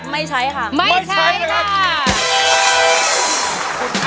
ไม่ใช้ค่ะ